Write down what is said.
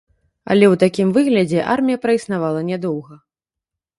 Але ў такім выглядзе армія праіснавала нядоўга.